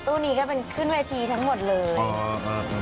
นี้ก็เป็นขึ้นเวทีทั้งหมดเลย